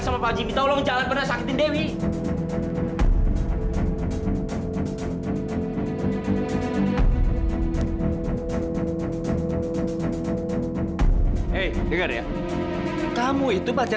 sampai jumpa di video selanjutnya